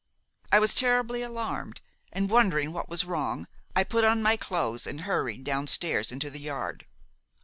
I was terribly alarmed, and wondering what was wrong, I put on my clothes and hurried downstairs into the yard.